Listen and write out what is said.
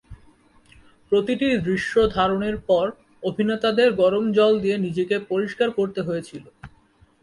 প্রতিটি দৃশ্য ধারণের পর অভিনেতাদের গরম জল দিয়ে নিজেকে পরিষ্কার করতে হয়েছিল।